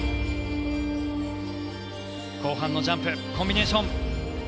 後半のジャンプコンビネーション。